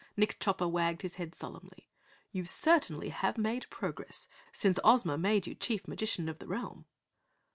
Nick Chopper wagged his head solemnly. "You certainly have made progress since Ozma made you Chief Magician of the Realm."